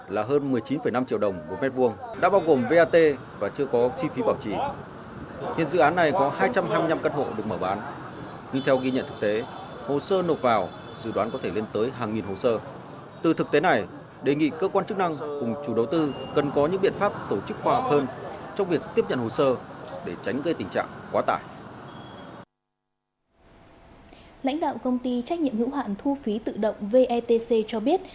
lãnh đạo công ty trách nhiệm hữu hạn thu phí tự động vetc cho biết